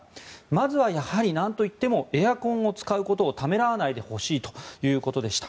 まずはやはり、なんといってもエアコンを使うことをためらわないでほしいということでした。